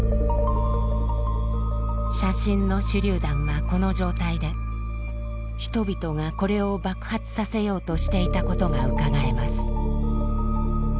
写真の手りゅう弾はこの状態で人々がこれを爆発させようとしていたことがうかがえます。